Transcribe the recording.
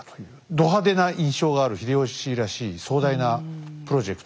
ド派手な印象がある秀吉らしい壮大なプロジェクトだったんですね。